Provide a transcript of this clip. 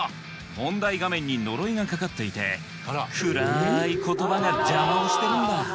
問題画面に呪いがかかっていて暗い言葉が邪魔をしてるんだ。